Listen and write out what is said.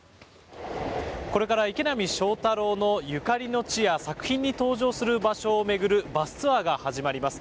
これから池波正太郎のゆかりの地や作品に登場する場所を巡るバスツアーが始まります。